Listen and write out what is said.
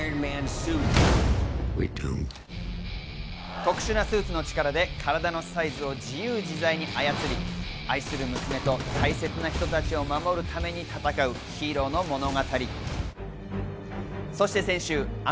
特殊なスーツの力で体のサイズを自由自在に操り、愛する娘と大切な人たちを守るために戦うヒーローの物語。